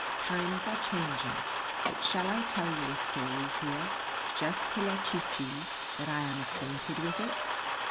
Times are changing, but shall I tell you a story here, just to let you see that I am acquainted with it?